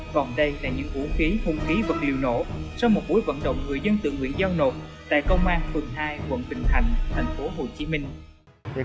còn đây là những vũ khí hung khí vật liệu nổ sau một buổi vận động người dân tự nguyện giao nộp tại công an phường hai quận bình thành thành phố hồ chí minh